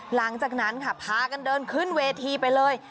หลังจากนั้นค่ะพากันเดินขึ้นเวทีไปเลย